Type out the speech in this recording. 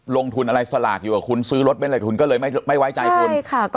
ลงทุนอะไรสลากอยู่กับคุณซื้อรถเป็นอะไรทุนก็เลยไม่ไว้ใจคุณใช่ค่ะ